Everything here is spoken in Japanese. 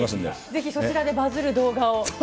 ぜひそちらでバズる動画を。